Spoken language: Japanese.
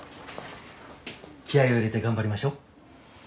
気合を入れて頑張りましょう。